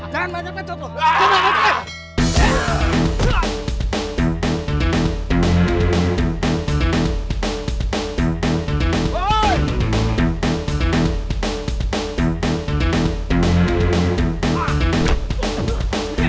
jangan bawa bawa duit gua